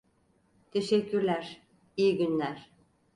Teşekkürler, iyi günler.